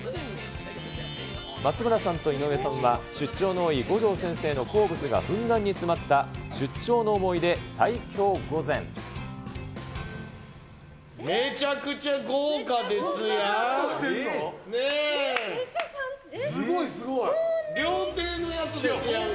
松村さんと井上さんは、出張の多い五条先生の好物がふんだんに詰まった、出張の思い出、めちゃくちゃ豪華ですやん。